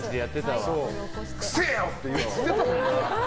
くせえよ！って言ってたもんな。